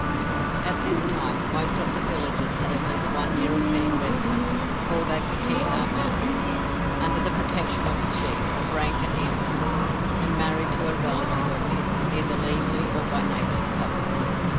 At this time most of the villages had at least one European resident called a Pakeha Maori, under the protection of a chief of rank and influence, and married to a relative of his, either legally or by native custom.